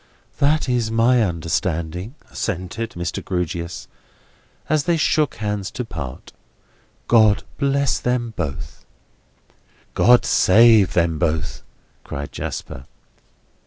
"That is my understanding," assented Mr. Grewgious, as they shook hands to part. "God bless them both!" "God save them both!" cried Jasper.